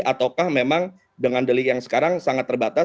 ataukah memang dengan delik yang sekarang sangat terbatas